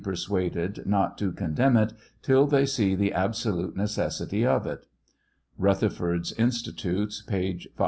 ursuaded not to condemn it tjll they see the absolute necessity of it. (Eutherforth's Institutes, page 525.)